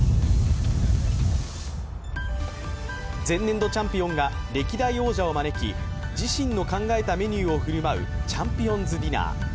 前年度チャンピオンが歴代王者を招き自身の考えたメニューを振る舞うチャンピオンズディナー。